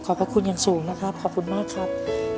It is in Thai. พระคุณอย่างสูงนะครับขอบคุณมากครับ